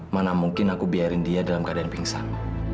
mana mungkin aku biarin dia dalam keadaan pingsan